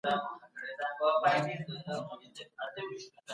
دغو ناستو به د ولس ترمنځ یووالی غښتلی کاوه.